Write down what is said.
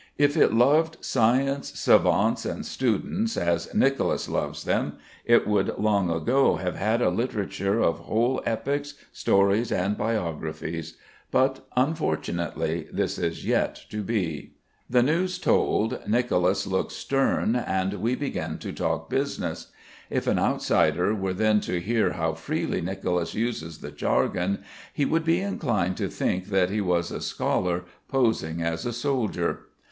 If it loved science, savants and students as Nicolas loves them, it would long ago have had a literature of whole epics, stories, and biographies. But unfortunately this is yet to be. The news told, Nicolas looks stem and we begin to talk business. If an outsider were then to hear how freely Nicolas uses the jargon, he would be inclined to think that he was a scholar, posing as a soldier.